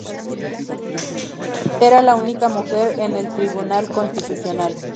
Era la única mujer en el Tribunal Constitucional.